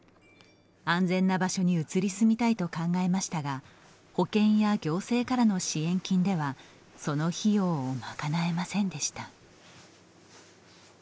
安全な場所に移り住みたいと考えましたが保険や行政からの支援金ではその費用を賄えませんでした。